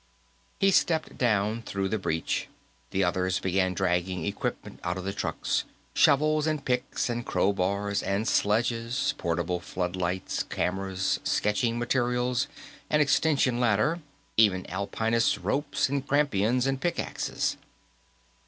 He stepped down through the breach; the others began dragging equipment out of the trucks shovels and picks and crowbars and sledges, portable floodlights, cameras, sketching materials, an extension ladder, even Alpinists' ropes and crampons and pickaxes.